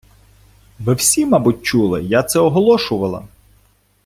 Ви всі, мабуть, чули, я це оголошувала!